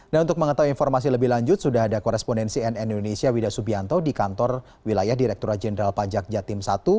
nah untuk mengetahui informasi lebih lanjut sudah ada korespondensi nn indonesia wida subianto di kantor wilayah direkturat jenderal pajak jatim i